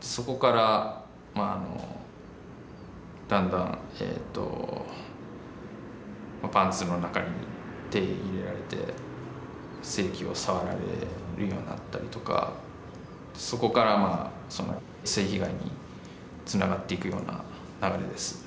そこからだんだんパンツの中に手入れられて性器を触られるようになったりとかそこからその性被害に繋がっていくような流れです。